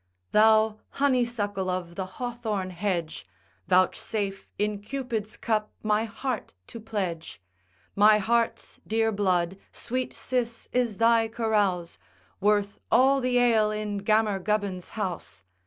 Thou honeysuckle of the hawthorn hedge, Vouchsafe in Cupid's cup my heart to pledge; My heart's dear blood, sweet Cis is thy carouse Worth all the ale in Gammer Gubbin's house.